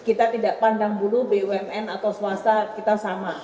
kita tidak pandang dulu bumn atau swasta kita sama